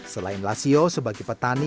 selain lasio sebagai petani